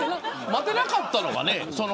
待てなかったのかね